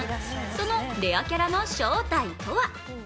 そのレアキャラの正体とは？